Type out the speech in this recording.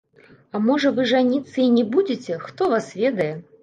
А можа вы жаніцца і не будзеце, хто вас ведае?